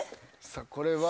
さあこれは。